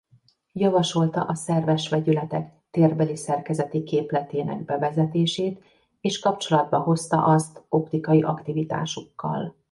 Javasolta a szerves vegyületek térbeli szerkezeti képletének bevezetését és kapcsolatba hozta azt optikai aktivitásukkal.